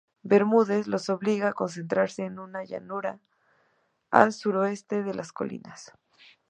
Bermúdez los obliga a concentrarse en una llanura cercana, al suroeste de las colinas.